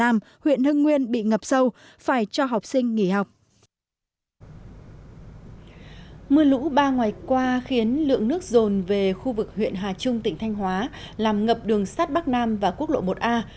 mưa lũ ba ngày qua khiến lượng nước rồn về khu vực huyện hà trung tỉnh thanh hóa làm ngập đường sát bắc nam và quốc lộ một a